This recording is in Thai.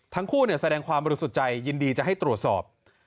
ทั้งคู่เนี่ยแสดงความบริสุทธิ์ใจยินดีจะให้ตรวจสอบ